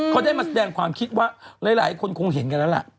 เขาได้มาแสดงความคิดว่าหลายคนคงเห็นกันแล้วล่ะ